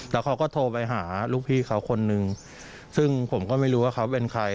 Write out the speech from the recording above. แล้วเขาก็โทรไปหาลูกพี่เขาคนนึงซึ่งผมก็ไม่รู้ว่าเขาเป็นใคร